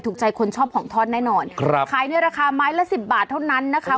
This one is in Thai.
ถูกใจคนชอบของทอดแน่นอนครับขายในราคาไม้ละสิบบาทเท่านั้นนะคะ